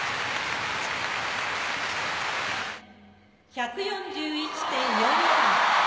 １４１．４４！